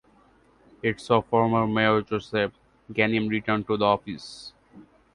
It saw former mayor Joseph Ganim return to the office.